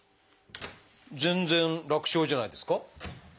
全然楽勝じゃないですか？